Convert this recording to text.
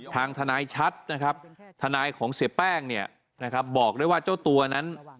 ทางทนายชัดนะครับทนายของเสียแป้งเนี่ยนะครับบอกด้วยว่าเจ้าตัวนั้น